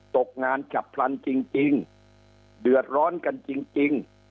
ตกงานจับพลันจริงจริงเดือดร้อนกันจริงจริง